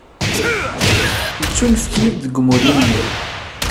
Yettunefk-iyi-d deg umulli-inu.